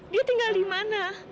dia tinggal di mana